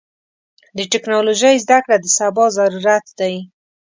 د ټکنالوژۍ زدهکړه د سبا ضرورت ده.